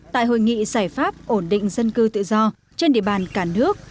tại hội nghị giải pháp ổn định dân cư tự do trên địa bàn cả nước